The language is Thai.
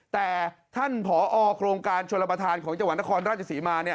แต่ท่านผอโครงการชนประธานของจังหวัดนครราชศรีมา